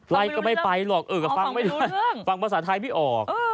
ไลค์ก็ไม่ไปหรอกฟังภาษาไทยไม่ออก